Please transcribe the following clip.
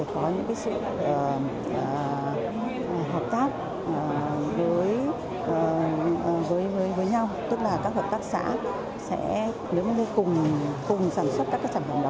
có những sự hợp tác với nhau tức là các hợp tác xã sẽ cùng sản xuất các trảm hưởng đó